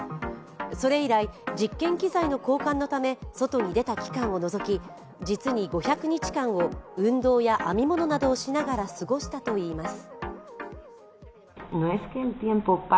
それ以来、実験機材の交換のため外に出た期間を除き、実に５００日間を運動や編み物などをしながら過ごしたといいます。